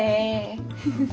フフフ。